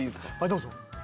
どうぞ。